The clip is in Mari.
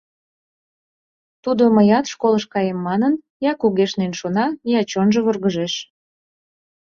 Тудо, мыят школыш каем манын, я кугешнен шона, я чонжо вургыжеш.